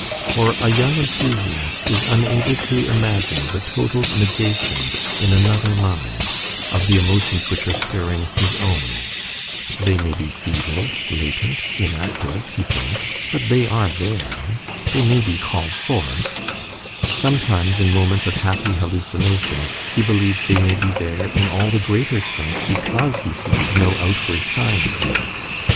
For a young enthusiast is unable to imagine the total negation in another mind of the emotions which are stirring his own: they may be feeble, latent, inactive, he thinks, but they are there they may be called forth; sometimes, in moments of happy hallucination, he believes they may be there in all the greater strength because he sees no outward sign of them.